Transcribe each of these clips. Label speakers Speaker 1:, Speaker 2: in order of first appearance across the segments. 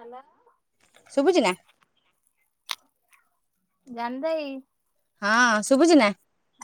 Speaker 1: ହାଲା
Speaker 2: ଶୁବୁଚି ନା?
Speaker 1: ଜାନ୍ ଦେଇ।
Speaker 2: ହଁ ଶୁବୁଚି ନା?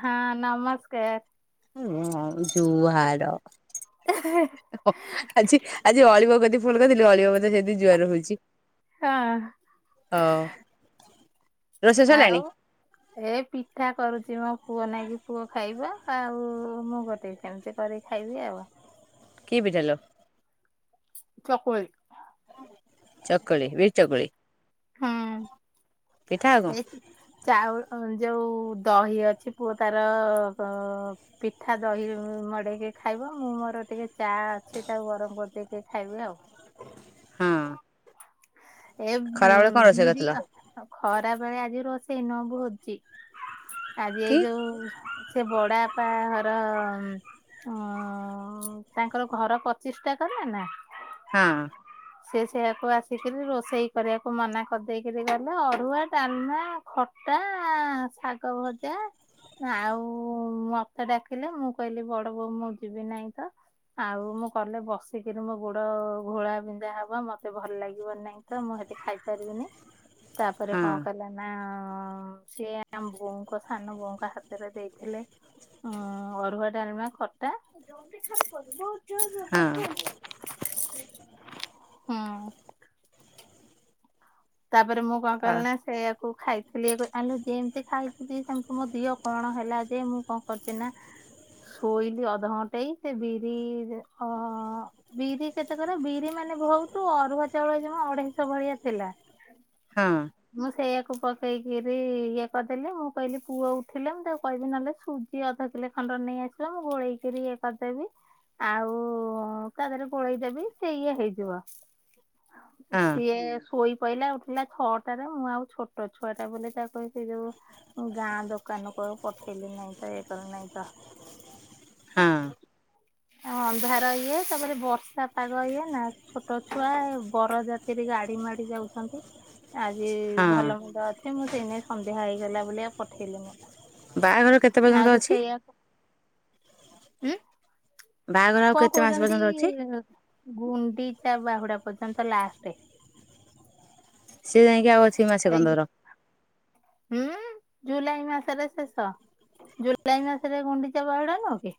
Speaker 1: ହଁ ନମସ୍କାର।
Speaker 2: ହୁଁ ଆଉ ଜୁହାର।
Speaker 1: ହେ।
Speaker 2: ଆଜି ଆଜି ଅଳିବ କତି ଫୋନ୍ କରିଥିଲି ଅଳିବ ମତେ ସେଦି ଜୁଆର ହଉଚି।
Speaker 1: ହାଁ
Speaker 2: ଅ।
Speaker 1: ଆଉ? ଏ ପିଠା କରୁଚି ମୋ ପୁଅ ନାଗି ପୁଅ ଖାଇବ ଆଉ ମୁଁ ଗୋଟେ ଚାମୁଚା କରି ଖାଇବି ଆଉ।
Speaker 2: କି ପିଠା ଲୋ?
Speaker 1: ଚକୁଳି।
Speaker 2: ଚକୁଳି ବିରି ଚକୁଳି।
Speaker 1: ହଁ
Speaker 2: ପିଠା ଆଉ
Speaker 1: ଏ ଚାଉଳ ଯୋଉ ଦହି ଅଛି ପୁଅ ତାର ଅ ପିଠା ଦହିରୁ ମଡ଼େଇକି ଖାଇବ ମୁଁ ମୋର ଟିକେ ଚା ଅଛି ତାକୁ ଗରମ କରିଦେଇକି ଖାଇବି ଆଉ।
Speaker 2: କଣ ହଁ
Speaker 1: ଏ
Speaker 2: ଖରାବେଳେ କଣ ରୋଷେଇ
Speaker 1: ବିରି
Speaker 2: କରିଥିଲ
Speaker 1: ଆଉ ଖରା ବେଳେ ଆଜି ରୋଷେଇ ନୁହଁ ଭୋଜି ଆଜି ଏଇ
Speaker 2: କି
Speaker 1: ଯୋଉ ସେ ବଡ଼ବାପା ହର ଅଁ ତାଙ୍କର ଘର ପ୍ରଚିଷ୍ଠା କଲେନା?
Speaker 2: ହଁ।
Speaker 1: ସେ ସେୟାକୁ ଆସିକିରି ରୋଷେଇ କରିବାକୁ ମନା କରିଦେଇକିରି ଗଲେ ଅରୁଆ, ଡ଼ାଲମା ଖ ଟା ସାଗ ଭଜା। ଆଉ ମତେ ଡାକିଲେ ମୁକହିଲି ବଡ଼ବୋଉ ମୁଯିବି ନାଇଁତ ଆଉ ମୁକଲେ ବସିକିରି ମୋଗୋଡ଼ ଘୋଳା ବିି ନ୍ଧା ହବ ମତେ ଭଲ ଲାଗିବନାଇଁତ ମୁହେଟି ଖାଇପାରିବିନି ତାପରେ
Speaker 2: ହଁ
Speaker 1: କଣ କଲେ ନା ସେଏ ଆମ ବୋଉଙ୍କ ସାନବୋଉଙ୍କ ହାତରେ ଦେଇଥିଲେ। ଉଁ ଅରୁୁଆ, ଡ଼ାଲମା, ଖଟା।
Speaker 2: ହଁ
Speaker 1: ହୁଁ। ତାପରେ ମୁକଣ
Speaker 2: ଅ
Speaker 1: କଲିନା ସେୟାକୁ ଖାଇି ଥିଲି ଆଲୋ ଯେମିତି ଖାଇଥିଲି ସେମିତି ମୋଦିଅ କଣ ହେଲାଯେ ମୁକଣ କରିଚିନା ଶୋଇଲି ଅଧଘଣ୍ଟେଇ ସେବିରି ଅ ବିରି କେତେକର ବିରି ମାନେ ଭହୁତୁ ଅରୁଆ ଚାଉଳ ଏଯମା ଅଢେଇଶ ଭଳିଆ ଥିଲା।
Speaker 2: ହଁ।
Speaker 1: ମୁଁ ସେଇୟାକୁ ପକେଇକିରି ଇଏ କରିଦେଲି ମୁଁ କହିଲି ପୁଅ ଉଠିଲେ ମୁତାକୁ କହିବି ନହେଲେ ସୁ ସୁଜି ଅଧକିଲେ ଖଣ୍ଡେ ନେଇ ଆସିବ ମୁଁ ଗୋଳେଇକିରି ଇଏ କରିଦେବି। ଆଉ ତାଦେହରେ ଗୋଳେଇଦବି ସେଇ ଇଏ ହେଇଯିବ
Speaker 2: ହଁ
Speaker 1: ସିଏ ଶୋଇ ଶୋଇଲା ଉଠିଲା ଛଅଟାରେ ମୁଆଉ ଛୋଟ ଛୁଆଟା ବୋଲି ତାକୁ ସେଯୋଉ ଗାଁ ଦୋକାନକୁ ଆଉ ପଠେଇଲିନି ନାଇଁତ ଏକା ନାଇଁତ
Speaker 2: ହଁ।
Speaker 1: [inaudible] ଅନ୍ଧାର ଇଏ, ତାପରେ ବର୍ଷା ପାଗ ଇଏନା ଛୋଟ ଛୁଆ ବରଜାତିରେ ଗାଡ଼ି ମାଡ଼ି ଯାଉ ଛନ୍ତି। ଆଜି
Speaker 2: ହଁ
Speaker 1: ଭଲମନ୍ଦ ଅଛି ମୁସେଇନାଗି ସନ୍ଧ୍ୟା ହେଇଗଲା ବୋଲି ଆଉ ପଠେଇଲିନି।
Speaker 2: ବାହାଘର କେତେ
Speaker 1: ଆଉ
Speaker 2: ପର୍ଯ୍ୟନ୍ତ
Speaker 1: ତ
Speaker 2: ଅଛି?
Speaker 1: ସେଇଆ ଉଁ।
Speaker 2: ବାହାଘର ଆଉ
Speaker 1: କଣ
Speaker 2: କେତେ ମାସ
Speaker 1: କହୁଚନ୍ତି,
Speaker 2: ପର୍ଯ୍ୟନ୍ତ ଅଛି
Speaker 1: ଗୁଣ୍ଡିଚା ବାହୁଡ଼ା ପର୍ଯ୍ୟନ୍ତ ଲାଷ୍ଟେ।
Speaker 2: ସିଏ ଯାଇକି ଆଉ ଅଛି ମାସେ
Speaker 1: ଏଇ
Speaker 2: କନ୍ଧର।
Speaker 1: ହୁଁ, ଜୁଲାଇ ମାସରେ ଶେଷ ଜୁଲାଇ ମାସରେ ଗୁଣ୍ଡିଚା ବାହୁଡ଼ା ନୁହଁକି।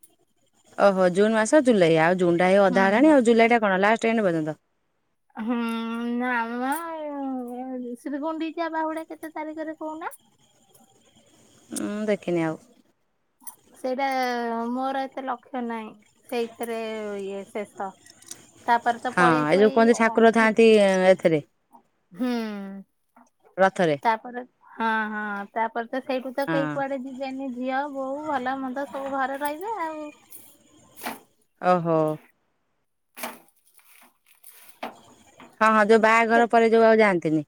Speaker 2: ଓହୋ ଜୁନ୍ ମାସ ଜୁଲାଇ ଆଉ ଜୁନଟା ଏଇ
Speaker 1: ହୁଁ
Speaker 2: ଅଧା
Speaker 1: ହୁଁ।
Speaker 2: ହେଲାଣି ଆଉ ଜୁଲାଇଟା କଣ ଲାଷ୍ଟ ଏଣ୍ଡ ପର୍ଯ୍ୟନ୍ତ।
Speaker 1: ହୁଁ, ନାମୋ [unintelligible] ଶ୍ରୀଗୁଣ୍ଡିଚା ବାହୁଡ଼ା କେତେ ତାରିଖରେ କହୁନ?
Speaker 2: ଉଁ ଦେଖିନି ଆଉ।
Speaker 1: ସେଇଟା ମୋର ଏତେ ଲକ୍ଷ୍ୟ ନାହିଁ ସେଇଥିରେ ଇଏ ଶେଷ। ତାପରେତ
Speaker 2: ହଁ
Speaker 1: ପଳିଆସିବ
Speaker 2: ଯୋଉ
Speaker 1: ଏଇ
Speaker 2: କୁହନ୍ତି ଠାକୁର
Speaker 1: ଅଣତି
Speaker 2: ଥାଆନ୍ତି ଏ, ଏଥିରେ
Speaker 1: ହୁଁ।
Speaker 2: ରଥରେ
Speaker 1: ତାପରେ, ହଁ, ହଁ ତାପରେତ ସେଇଠୁତ
Speaker 2: ହଁ
Speaker 1: କେହି କୁଆଡ଼େ ଯି ଯିବେନି ଝିଅ, ବୋହୁ ଭଲ ମନ୍ଦ ସବୁ ଘରେ ରହିବେ ଆଉ।
Speaker 2: ଓହୋ। ହଁ, ହଁ ଯୋଉ
Speaker 1: ସେ
Speaker 2: ବାହାଘର ପରେ ଯୋଉ ଆଉ ଯାଆନ୍ତିନି।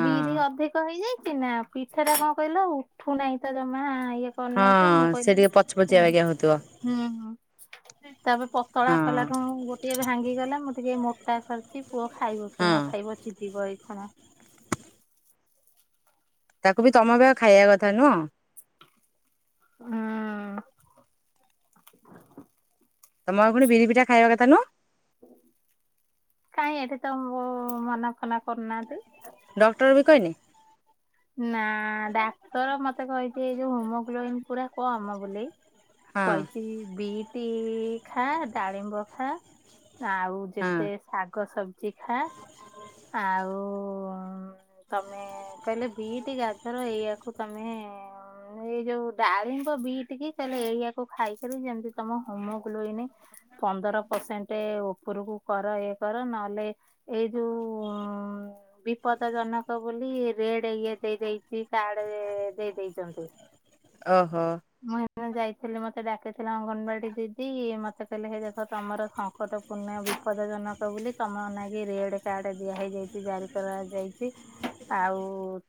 Speaker 2: ହଁ
Speaker 1: ଅଧିକ ହେଇଯାଇଚିନା ପିଠାଟା କଣକହିଲ ଉଠୁ ନାହିଁତ ଜମା ଇଏ
Speaker 2: ହଁ
Speaker 1: କରିନାହିଁତ ମୁଁ
Speaker 2: ସେ
Speaker 1: କହିଲି
Speaker 2: ଟିକେ ପଛ ପଛିଆ ବାଗିଆ ହଉଥିବ
Speaker 1: ହୁଁ। ତାପରେ ପତଳା
Speaker 2: ହଁ
Speaker 1: କଲାଠୁ ଗୋ ଟିକେ ଭାଙ୍ଗିଗଲା ମୁଟିକେ ମୋଟା କରିଚି ପୁଅ ଖାଇବକି
Speaker 2: ହଁ
Speaker 1: ନଖାଇବ ଚିଡିବ ଏଇକଣ।
Speaker 2: ତାକୁ ବି ତମର ଖାଇବା କଥା ନୁହଁ।
Speaker 1: ହୁଁ।
Speaker 2: ତମର ପୁଣି ବିରିି ପିଠା ଖାଇବା କଥା ନୁହଁ।
Speaker 1: କାଇଁ ଏଠି ତ ମୁ-ମନା ଫନା କରୁନାହାନ୍ତି।
Speaker 2: ଡକ୍ଟର୍ ବି କହିନି?
Speaker 1: ନା ଡାକ୍ତର ମତେ କହିଚି ଏଇ ଯଉ ହିମୋଗ୍ଲୋବିନି ପୁରା କମ୍ ବୋଲି
Speaker 2: ହଁ
Speaker 1: କହିଚି ବିଇଟି ଖା ଡାଳିମ୍ବ ଖା ଆଉ
Speaker 2: ହଁ
Speaker 1: ଯେତେ ଶାଗ ସବ୍ଜି ଖା ଆଉ ତମେ କହିଲେ ବିଇଟି, ଗାଜର ଏଇଆକୁ ତମେ ଅ- ଏଇ ଯଉ ଡାଳିମ୍ବ ବିଇଟି କି କହିଲେ ଏଇଆକୁ ଖାଇକିରି ଯେମିତି ତମ ହୋମୋଗ୍ଲୋବିନି ପନ୍ଦର ପରସେଣ୍ଟେ ଉପରକୁ କର ଇଏ କର ନହେଲେ ଏଇ ଯଉ ବିପଦ ଜନକ ବୋଲି ରେଡେ ଇଏ ଦେଇ ଦେଇଚି କାର୍ଡ ଏ-ଦେଇ ଦେଇଚନ୍ତି।
Speaker 2: ଓହୋ।
Speaker 1: ମୁଁ ହେତିପାଇଁ ଯାଇଥିଲି ମତେ ଡାକିଥିଲା ଅଙ୍ଗନବାଡି ଦିଦି ମତେ କହିଲେ ହେ ଦେଖ ତମର ସଙ୍କଟ ପୁର୍ଣ୍ଣ ବିପଦ ଜନକ ବୋଲି ତମ ନାଗି ରେଡେ କାର୍ଡ ଦେଇ ଦିଆ ହେଇଯାଇଚି ଜାରି କରାଯାଇଚି। ଆଉ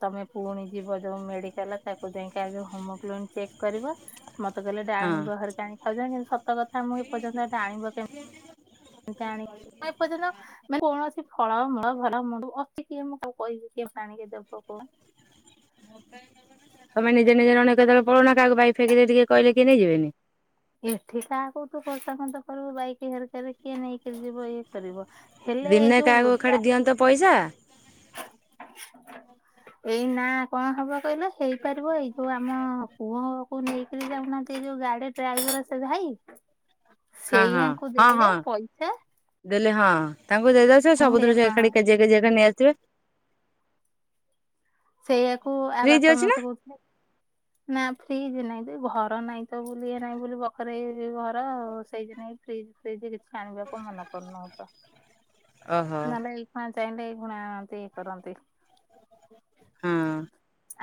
Speaker 1: ତମେ ପୁଣି ଯିବ ଯଉ ମେଡିକାଲ ତାକୁ ଯାଇକି ଆଗ ହୋମୋଗ୍ଲୋବିନି ଚେକ୍ କରିବ ମତେ କହିଲେ
Speaker 2: ହଁ
Speaker 1: ଡାଳିମ୍ବ ହେରିକା ଆଣି ଖାଇବ ଯେ କିନ୍ତୁ ସତ କଥା ମୁଁ ଏପର୍ଯ୍ୟନ୍ତ ଡାଳିମ୍ବ କେମ୍ ଆଣି ଏପର୍ଯ୍ୟନ୍ତ କୌଣସି ଫଳ ମୂଳ ଭଲ [unintelligible] କିଏ ମୁଁ କାହାକୁ କହିବି କିଏ ମତେ ଆଣିକି ଦବ କଣ
Speaker 2: [unintelligible]
Speaker 1: ଏଠି କାହାକୁ ତୁ ଖୋସାମତ କରିବୁ ବାଇକି ହେରିକାରେ କିଏ ନେଇକି ଯିବ ଇଏ କରିବ। ହେଲେ ଏଇ
Speaker 2: ଦିନେ
Speaker 1: ଯୋଉ
Speaker 2: କାହାକୁ ଖାଡେ ଦିଅନ୍ତ ପଇସା
Speaker 1: ଏଇ ନା କଣ ହବ କହିଲ ହେଇପାରିବ ଏଇ [unintelligible] ଆମ ପୁଅ କୁ ନେଇକରି ଯାଉନାହାନ୍ତି ଯଉ ଗାଡି ଡ୍ରାଇଭର ସେ ଭାଇ
Speaker 2: ହଁ ହଁ
Speaker 1: ସେଇଆଙ୍କୁ
Speaker 2: ହଁ
Speaker 1: ଦେଲେ
Speaker 2: ହଁ
Speaker 1: ପଇସା
Speaker 2: ଦେଲେ ହଁ ତାଙ୍କୁ ଦେଲେ ସେ
Speaker 1: ମୁଁ
Speaker 2: ସବୁଥିରୁ ସେ
Speaker 1: ସେଇଆ
Speaker 2: ଏକାଠି କେଜିଏ କେଜିଏ ରେ ନେଇଆସିବେ
Speaker 1: ସେଇଆକୁ ଆ ବାପା
Speaker 2: ଅଛି ନା
Speaker 1: ମତେ କହୁଥିଲେ ନା ଫ୍ରିଜି ନାଇଁ ଯେ ଘର ନାଇଁ ତ ବୁଲି ଏରା ନାଇଁ ବଖରେ ଏ ଯଉ ଘର ସେଇଥିପାଇଁ ଫ୍ରିଜ୍ ସେଇତି କିଛି ଆଣିବାକୁ ମନ କରୁନୁ ଅପା।
Speaker 2: ଓହୋ
Speaker 1: ନହେଲେ ଏଇ ଖୁଣା ଚାହିଁଲେ ଏଇ ଖୁଣା ଆଣନ୍ତି ଇ କରନ୍ତି
Speaker 2: ହଁ।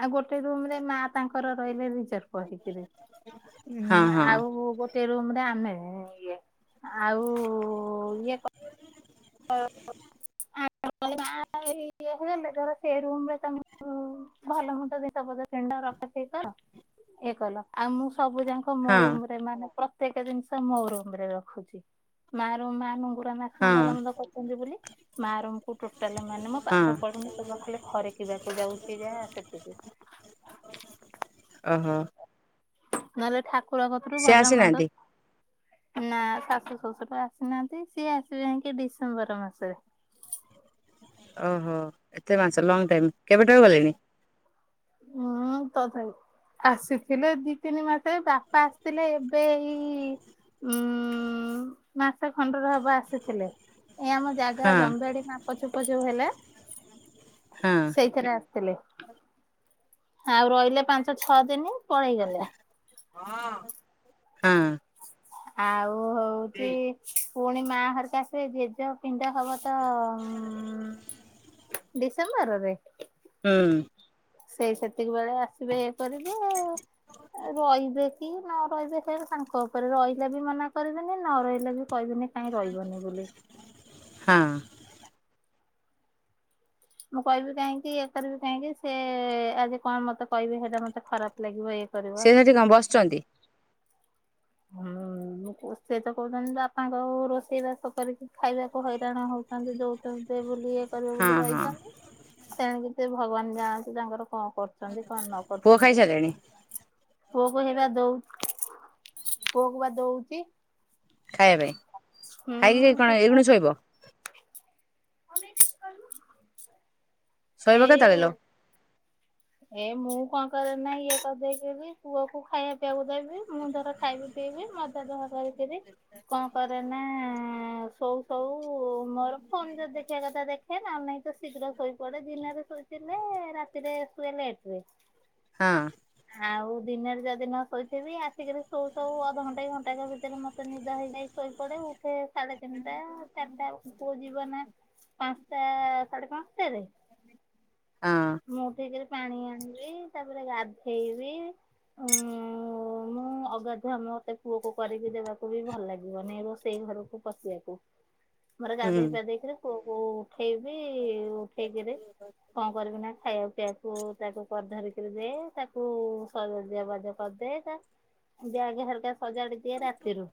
Speaker 1: ଆଉ ଗୋଟେ ରୁମ୍ ରେ ମା ତାଙ୍କର ରହିଲେ ରିଜର୍ଭ ହେଇକିରି ଉଁ
Speaker 2: ହଁ ହଁ
Speaker 1: -ଆଉ ଗୋ ଗୋଟେ ରୁମ୍ ରେ ଆମେ ଇଏ ଆଉ ଇଏ କ [unintelligible] [unintelligible] ଇଏ କଲ ଆଉ ମୁଁ ସବୁ ଯା ମୋ
Speaker 2: ହଁ
Speaker 1: ରୁମ୍ ରେ ମାନେ ପ୍ରତ୍ୟେକ ଜିନିଷ ମୋ ରୁମରେ ରଖୁଚି ମା [unintelligible] [unintelligible]
Speaker 2: ହଁ
Speaker 1: କରୁଚନ୍ତି ବୋଲି ମା ରୁମ୍ କୁ ଟୋଟାଲେ ମାନେ ମ
Speaker 2: ହଁ
Speaker 1: ପାଠ ପଢୁନି କେବଳ ଖାଲି ଖରିକିବାକୁ ଯାଉଚି ଯାହା ସେତିକି।
Speaker 2: ଓହୋ।
Speaker 1: ନହେଲେ ଠାକୁର କତିରୁୁ
Speaker 2: ସେ
Speaker 1: ଭଲ ମନ୍ଦ
Speaker 2: ଆସିନାହାନ୍ତି
Speaker 1: ନା ଶାଶୁ ଶଶୁର ଆସିନାହାନ୍ତି ସିଏ ଆସିବେ ଯାଇଁ କି ଡିସେମ୍ବର ମାସରେ।
Speaker 2: ଓହୋ ଏତେ ମାଂସ ଲଙ୍ଗ୍ ଟାଇମ୍ -କେବେ ଠାରୁ ଗଲେଣି?
Speaker 1: ଉଁ ତଥାପି ଆସିଥିଲେ ଦି ତିନି ମାସରେ ବାପା ଆସିଥିଲେ ଏବେ ଏଇ ଉଁ -ମାସେ ଖଣ୍ଡରେ ହବ ଆସିଥିଲେ ଏ ଆମ ଜାଗା
Speaker 2: ହଁ
Speaker 1: ଜମିବାଡି ମାପଚୁପ ଯଉ ହେଲେ
Speaker 2: ହଁ
Speaker 1: ସେଇଥିରେ ଆସିଥିଲେ। ଆଉ ରଇଲେ ପାଞ୍ଚ ଛଅ ଦିନ ପଳେଇଗଲେ।
Speaker 2: ହଁ।
Speaker 1: ଆଉ ହଉଚି ପୁଣି ମା ହେରକା ସେ ଜେଜ ପିଣ୍ଡ ହବ ତ ଉଁ, ଡିସେମ୍ବରରେ
Speaker 2: ହୁଁ।
Speaker 1: ସେଇ ସେତିକି ବେଳେ ଆସିବେ ଇଏ କରିବେ ଆଉ, ଏ ରହିବେ କି ନ ରହିବେ ସେ ତାଙ୍କ ଉପରେ ରହିଲେ ବି ମନା କରିବିନି ନ ରହିଲେ ବି କହିବିନି କାହିଁ ରହିବନି ବୋଲି।
Speaker 2: ହଁ।
Speaker 1: ମୁଁ କହିବି କାହିଁକି ଇଏ କରିବି କାହିଁକି, ସେ ଆଜି କଣ ମୋତେ କହିବେ ସେଟା ମୋତେ ଖରାପ ଲାଗିବ। ଏ
Speaker 2: ସେ ସେଠି କଣ ବସିଛନ୍ତି?
Speaker 1: ହୁଁ, [inaudible] ସିଏ ତ କହୁଛନ୍ତି ଯେ ବାପାଙ୍କ ରୋଷେଇ ବାସ କରିକି ଖାଇବାକୁ ହଇରାଣ ହଉ ଥାନ୍ତି ଯୋଉ ତ ଦେ ବୋଲି ଏ କରିବେ
Speaker 2: ହଁ
Speaker 1: ବୋଲି
Speaker 2: ହଁ
Speaker 1: ରହିଥାନ୍ତି, ସେଣିକି ସେ ଭଗବାନ ଜାଣନ୍ତି ତାଙ୍କର କଣ କର ଛନ୍ତି କଣ ନ
Speaker 2: ପୁଅ
Speaker 1: କରୁଛନ୍ତି,
Speaker 2: ଖାଇସାରିଲାଣି
Speaker 1: ପୁଅକୁ ହେଇବା ଦଉ ପୁଅକୁ ବା ଦଉଚି।
Speaker 2: ଖାଇବା ପାଇଁ, ଖାଇକି ସେ କଣ
Speaker 1: ପିଠା
Speaker 2: ଏଇଖୁଣି ଶୋଇବ?
Speaker 1: [unintelligible]
Speaker 2: ଶୋଇବ କେତେବେଳେ
Speaker 1: ଏଇ
Speaker 2: ଲୋ?
Speaker 1: ଏ ମୁଁ କଣ କରେନା, ଇଏ କରିଦେଇକି ବି ପୁଅକୁ ଖାଇଆ ପିଇଆକୁ ଦେବି, ମୁଁ ଧର ଖାଇବି ପିଇବି ମଜା ଧୁଆ କରିକିରି କଣ କରେ ନା ଶୋଉ ଶୋଉ ମୋର, ଫୋନ୍ ଯଦି ଦେଖିବା କଥା ଦେଖ ଖେ ନନେ ନାଇଁ ତ ଶୀଘ୍ର ଶୋଇପଡେ, ଦିନରେ ଶୋଇଥିଲେ ରାତିରେ ଶୁଏ ଲେଟ୍ ରେ।
Speaker 2: ହଁ।
Speaker 1: ଆଉ ଦିନରେ ଯଦି ନ ଶୋଇଥିବି ଆସିକିରି ଶୋଉଶୋଉ ଅଧଘଣ୍ଟେ ଘଣ୍ଟାକ ଭିତରେ ମୋତେ ନିଦ ହେଇଯାଇ ଶୋଇପଡେ ଉଠେ ସାଢେ ତିନିଟା ଚାଟା ପୁଅ ଯିବ ନା ପାନ୍ସଟା ସାଢେ ପାନ୍ସଟାରେ।
Speaker 2: ହଁ।
Speaker 1: ମୁଁ ଉଠିକିରି ପାଣି ଆଣିବି, ତାପରେ ଗାଧେଇବି। ମୁଁ ମୁଁ ଅଗାଧୁଆ ମୌତେ ପୁଅକୁ କରିକି ଦେବାକୁ ବି ଭଲ ଲାଗିବନି। ଏ ରୋଷେଇ ଘରକୁ ପଶିଆକୁ। ମୋର
Speaker 2: ହୁଁ
Speaker 1: ଗାଧେଇ ପାଧେଇକିରି ପୁଅକୁ ଉଠେଇବି ଉଠେଇକିରି କଣ କରିବି ନା ଖାଇଆ ପିଇଆକୁ ତାକୁ କରି ଧରିି କିରି ଦେ ତାକୁ ସଜବାଜ କରିଦେ ତା ବ୍ୟାଗ୍ ହେରକା ସଜାଡି ଦିଏ ରାତିରୁ।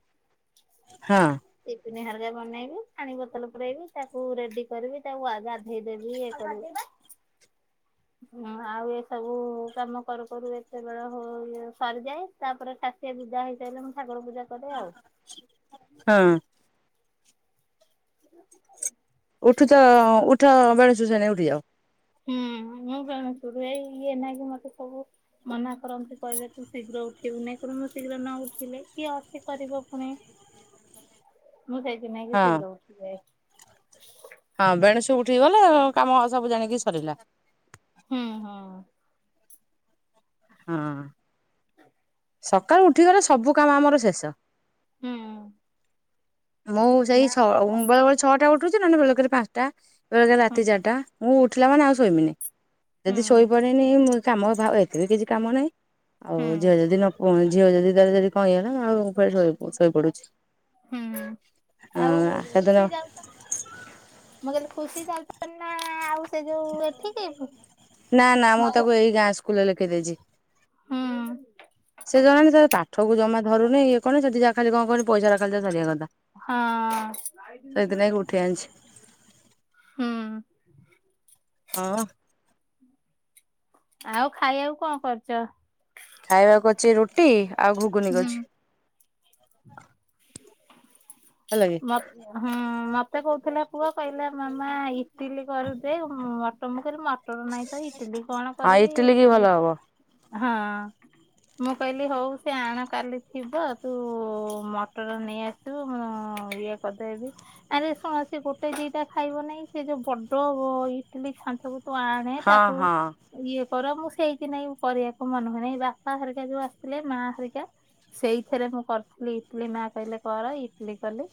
Speaker 2: ହଁ
Speaker 1: ଟିଫିନି ହେରକା ବନେଇବି, ପାଣି ବୋତଲ ପୁରେଇବି, ତାକୁ ରେଡି କରିବି। ତାକୁ ଆ, ଗାଧେଇ ଦେବି ଇଏ କରିବି ହଁ ଆଉ ଏ ସବୁ କାମ କରୁ କରୁ ଏତେ ବେଳ ହୋ ଇଏ ସରିଯାଏ। ତାପରେ ଚା ସିଏ ବିଦା ହେଇସାଇଲେ ମୁଁ ଠାକୁର ପୂଜା କରେ ଆଉ।
Speaker 2: ହଁ। ଉଠୁଚ ଉଠ ବେଣୁ ଷୁ ସାଙ୍ଗେ ଉଠିଯାଅ।
Speaker 1: ହୁଁ, ମୁଁ ବେଣୁଷୁ ଉଠିଯାଇକି ଇଏ ନାଇକି ମୋତେ ସବୁ ମନା କରନ୍ତି କହିବେ ତୁ ଶୀଘ୍ର ଉଠିବୁ ନାଇ କରୁନ, ମୁଁ ଶୀଘ୍ର ନ ଉଠିଲେ କିଏ ଅଛି କରିବ ପୁଣି। ମୁଁ ସେଇଥି ନାଇକି
Speaker 2: ହଁ
Speaker 1: ଶୀଘ୍ର ଉଠି ଯାଏ।
Speaker 2: ହଁ ବେଣୁସୁ ଉଠି ଗଲେ କାମ ସବୁ ଜାଣିକି ସରିଲା।
Speaker 1: ହୁଁ, ହଁ।
Speaker 2: ହଁ ସକାଳୁ ଉଠିଗଲେ ସବୁ କାମ ଆମର ଶେଷ।
Speaker 1: ହୁଁ।
Speaker 2: ମୁଁ ସେଇ
Speaker 1: ନା
Speaker 2: ଛଅ ଉଁ,
Speaker 1: ମୋର
Speaker 2: ବେଳେ ବେଳେ ଛଅଟା ଉଠୁଚି, ନହନେ ବେଳେକେରେ ପାନ୍ସଟା, ବେଳେକେ
Speaker 1: ହୁଁ
Speaker 2: ରାତି ଚାରଟା। ମୁଁ ଉଠିଲା ମାନେ ଆଉ ଶୋଇମିନି
Speaker 1: ହୁଁ
Speaker 2: ଯଦି ଶୋଇପଡ଼ିନି ମୁଁ କାମ ଭା ଏତେ ବିି କିଛି କାମ ନାହିଁ।
Speaker 1: ହୁଁ
Speaker 2: ଆଉ ଝିଅ ଯଦି ନ ପ ଝିଅ ଯଦି ତାର ଯଦି କହିଗଲା ମୁଁ ଆଉ କୁଆ ଶୋଇ ଶୋଇପଡୁଚି।
Speaker 1: ହୁଁ ଆଉ
Speaker 2: ସେଦିନ
Speaker 1: ଖୁସି ଯାଉ ମୁଁ କହିଲି ଖୁସି ଚାଲିଚନ୍ତି ନା ଆଉ ସେ ଯୋଉ ଏଠିକି?
Speaker 2: ନା ନା ମୁଁ ତାକୁ ଏଇ ଗାଁ ସ୍କୁଲରେ ଲେଖେଇ ଦେଇଚି।
Speaker 1: ହୁଁ
Speaker 2: ସେ ଜଣାନି ସେ ପାଠକୁ ଜମା ଧରୁନି ଇଏ କଣ କରୁନି ସେଠି ଯାହା ଖାଲି କଣ କହନି ପଇସାରା ଖାଲି ଯାହା ସାରିବା କଥା। ସେଇଥିଲାଗି ଉଠେଇ
Speaker 1: ହଁ।
Speaker 2: ଆଣିଛି
Speaker 1: ହୁଁ।
Speaker 2: ହଁପା।
Speaker 1: ଆଉ ଖାଇଆକୁ କଣ କରଚ?
Speaker 2: ଖାଇବାକୁ କରଚି ରୁଟି ଆଉ ଘୁଗୁନି
Speaker 1: ହୁଁ।
Speaker 2: କରଛି। ହେଲାକି।
Speaker 1: ମ ହୁଁ ମତେ କୋହୁଥିଲେ ପୁଅ କହିଲା ମାମା ଇଟିଲି କରିଦେ ମଟମ୍ ମୁଁ କହିଲି ମ ମଟର ନାଇଁ ତ ଇଟିଲି କଣ କରିବି
Speaker 2: ଲି କି ଭଲ ହବ।
Speaker 1: ହଁ ମୁଁ କହିଲି ହୋଉ ସେ ଆଣ କାଲି ଥିବ ତୁ ମ ଟର ନେଇ ଆସିଥିବୁ ମୁଁ ଇଏ କରିଦେବି। ଆରେ ଶୁଣ ସିଏ ଗୋଟେ ଦିଟା ଖାଇବ ନେଇଁ ସିଏ ଯୋଉ ବଡ ଇଟିଲି ଛାଞ୍ଚକୁ ତାକୁ ଆଣେ
Speaker 2: ହଁ
Speaker 1: ତାକୁ
Speaker 2: ହଁ
Speaker 1: ଇଏ କର ମୁଁ ସେଇଥିନାଗି ମୁଁ କରିବାକୁ ମନେ ହୁଏ ନାହିଁ ଏଇ ବାପା ହରିକା ଯୋଉ ଆସିଥିଲେ ମା ହରିକା ସେଇଥିରେ ମୁଁ କରିଥିଲି ଇଟଲିି ମା କହିଲେ କର ଇଟଲିି କଲି।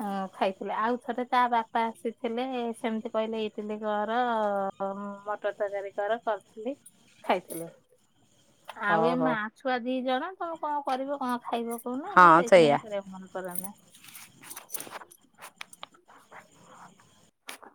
Speaker 1: ହଁ ଖାଇଥିଲେ ଆଉ ଥରେ ତା ବାପା ଆସିଥିଲେ ସେମତି କହିଲେ ଇଟିଲି କର ଅ ମଟର ତରକାରୀ କର କରଥିଲି ଖାଇଥିଲେ। ଆଉ
Speaker 2: ହଉ
Speaker 1: ଏ
Speaker 2: ହଉ
Speaker 1: ମା ଛୁଆ ଦିଜଣ ତ କଣ କରିବ କଣ ଖାଇବ କହୁନା ମୁଁ
Speaker 2: ହଁ
Speaker 1: ସେଇଥି
Speaker 2: ସେଇଆ
Speaker 1: ନାଗି କରିବାକୁ ମନ କରେନା।